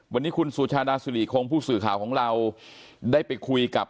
วันนี้คุณสุชาดาสุริคงผู้สื่อข่าวของเราได้ไปคุยกับ